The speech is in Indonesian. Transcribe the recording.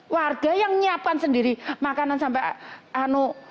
warga yang menyiapkan sendiri makanan sampai anu